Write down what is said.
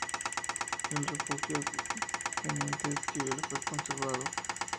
El refugio Teniente Esquivel fue conservado.